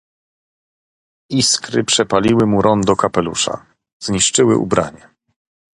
"Iskry przepaliły mu rondo kapelusza, zniszczyły ubranie."